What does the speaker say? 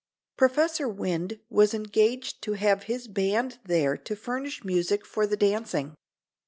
Prof. Wind was engaged to have his band there to furnish music for the dancing.